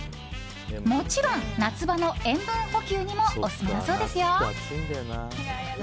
もちろん夏場の塩分補給にもオススメだそうですよ。